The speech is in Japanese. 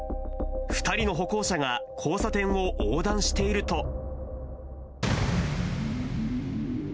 ２人の歩行者が交差点を横断していると。